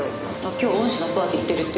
今日恩師のパーティー行ってるって。